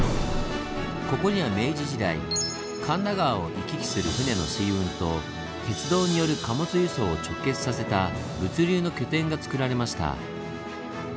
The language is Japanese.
ここには明治時代神田川を行き来する船の水運と鉄道による貨物輸送を直結させた物流の拠点がつくられました。